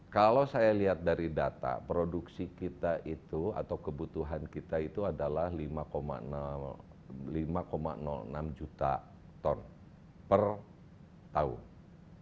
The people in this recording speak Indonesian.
kalau saya lihat dari data produksi kita itu atau kebutuhan kita itu adalah lima enam juta ton per tahun